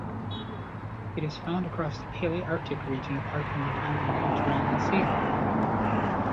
It is found across the Palearctic region apart from around the Mediterranean Sea.